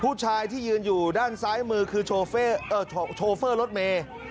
ผู้ชายที่ยืนอยู่ด้านซ้ายมือคือโชเฟอร์รถเมย์